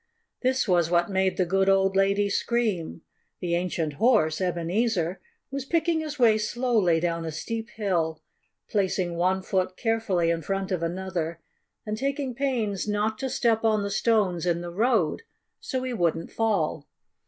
This was what made the good old lady scream: The ancient horse, Ebenezer, was picking his way slowly down a steep hill, placing one foot carefully in front of another, and taking pains not to step on the stones in the road, so he wouldn't fall.